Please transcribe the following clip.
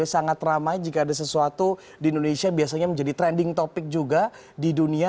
sangat ramai jika ada sesuatu di indonesia biasanya menjadi trending topic juga di dunia